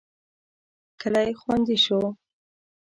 کلی خوندي شو.